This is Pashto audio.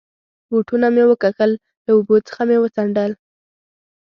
بوټونه مې و کښل، له اوبو څخه مې و څنډل.